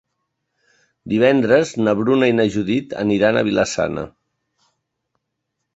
Divendres na Bruna i na Judit aniran a Vila-sana.